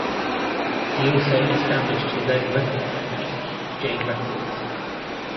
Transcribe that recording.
He also established his own record company, Jane Records.